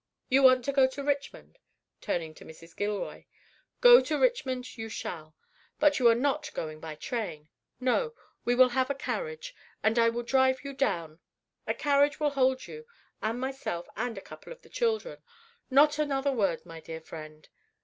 You want to go to Richmond?" turning to Mrs. Gilroy, "Go to Richmond you shall, but you are not going by train. No, we will have a carriage, and I will drive you down. A carriage will hold you and myself and a couple of the children. Not another word, my dear friend.